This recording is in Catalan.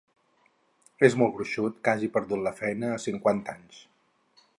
És molt gruixut, que hagi perdut la feina a cinquanta anys!